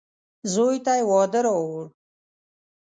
زوی ته يې واده راووړ.